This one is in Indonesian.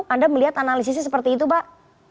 anda melihat analisisnya seperti itu pak